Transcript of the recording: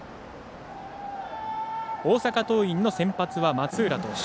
大阪桐蔭の先発は松浦投手。